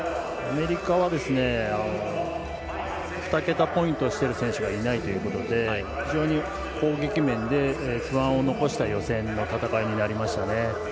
アメリカは２桁ポイントをしている選手がいないというので非常に攻撃面で不安を残した予選の戦いになりました。